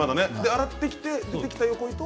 洗ってきて出てきた横糸。